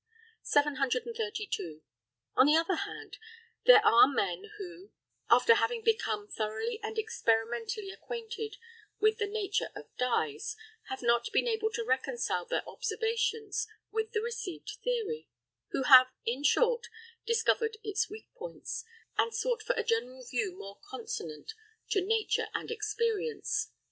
732. On the other hand, there are men who, after having become thoroughly and experimentally acquainted with the nature of dyes, have not been able to reconcile their observations with the received theory; who have, in short, discovered its weak points, and sought for a general view more consonant to nature and experience.